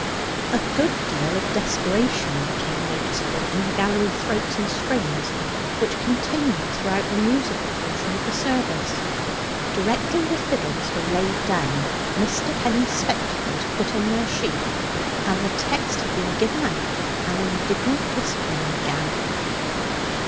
A good deal of desperation became noticeable in the gallery throats and strings, which continued throughout the musical portion of the service. Directly the fiddles were laid down, Mr. Penny's spectacles put in their sheath, and the text had been given out, an indignant whispering began.